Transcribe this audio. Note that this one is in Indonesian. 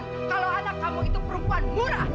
kalau anak kamu itu perempuan murah